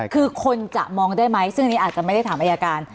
คือคนจะมองได้ไหมซึ่งอันนี้อาจจะไม่ได้ถามอายการ